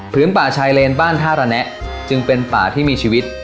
ป่าชายเลนบ้านท่าระแนะจึงเป็นป่าที่มีชีวิต